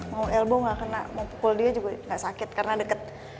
mau elbow gak kena mau pukul dia juga gak sakit karena deket